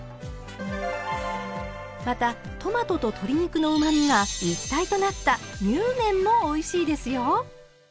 またトマトと鶏肉のうまみが一体となったにゅうめんもおいしいですよ。